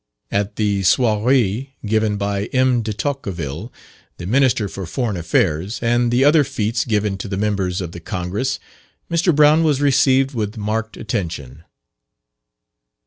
At the soiree given by M. De Tocqueville, the Minister for Foreign Affairs, and the other fetes given to the Members of the Congress, Mr. Brown was received with marked attention.